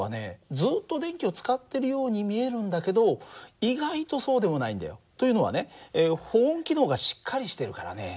ずっと電気を使ってるように見えるんだけど意外とそうでもないんだよ。というのはね保温機能がしっかりしてるからね